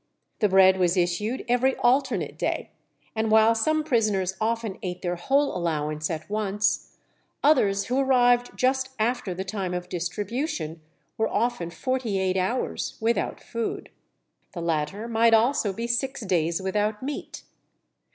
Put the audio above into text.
The bread was issued every alternate day; and while some prisoners often ate their whole allowance at once, others who arrived just after the time of distribution were often forty eight hours without food. The latter might also be six days without meat.